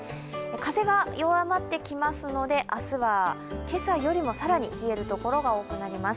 風が弱まってきますので、明日は今朝よりも更に冷えるところが多くなります。